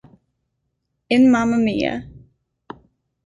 In Mamma Mia!